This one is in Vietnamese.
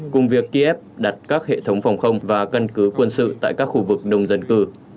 cùng việc kiev đặt các hệ thống phòng không và căn cứ quân sự tại các khu vực đông dân cư